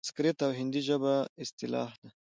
سنسکریت او هندي ژبو اصطلاح ده؛